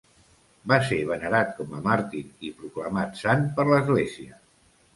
Va ser venerat com a màrtir i proclamat sant per l'Església.